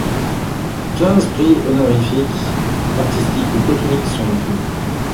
Quinze prix honorifiques, artistiques ou techniques, sont attribués.